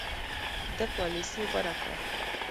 ده پالیسي غوره کړه.